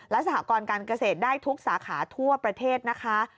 และสหกรการเกษตรได้ทุกสาขาทั่วประเทศนะคะ